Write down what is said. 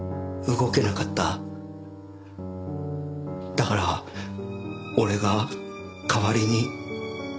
だから俺が代わりに。